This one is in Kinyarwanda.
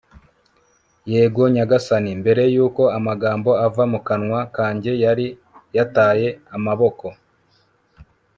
yego, nyagasani.' mbere yuko amagambo ava mu kanwa kanjye yari yataye amaboko